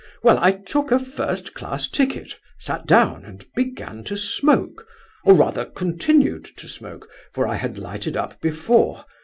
Well, I took a first class ticket, sat down, and began to smoke, or rather continued to smoke, for I had lighted up before.